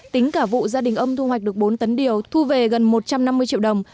tính cả vụ gia đình ông thu hoạch được bốn tấn điều thu về gần một trăm năm mươi triệu đồng